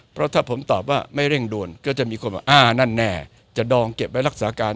เพราะถ้าผมตอบว่าไม่เร่งด่วนก็จะมีคนว่าอ่านั่นแน่จะดองเก็บไว้รักษาการ